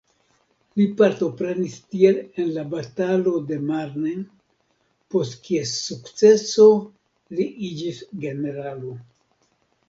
Li partoprenis tiel en la batalo de Marne, post kies sukceso, li iĝis generalo.